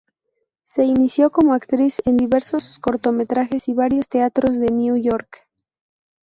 Se inició como actriz en diversos cortometrajes y varios teatros de New York.